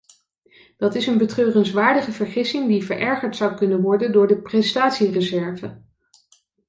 Dat is een betreurenswaardige vergissing die verergerd zou kunnen worden door de prestatiereserve.